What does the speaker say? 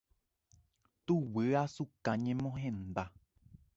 Tuguyasuka ñemohenda.